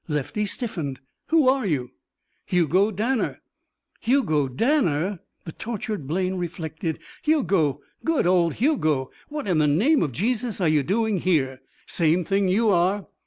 Lefty stiffened. "Who are you?" "Hugo Danner." "Hugo Danner?" The tortured brain reflected. "Hugo! Good old Hugo! What, in the name of Jesus, are you doing here?" "Same thing you are."